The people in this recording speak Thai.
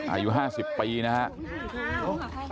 อายุ๕๐ปีนะครับ